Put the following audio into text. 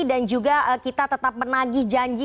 dan juga kita tetap menagi janji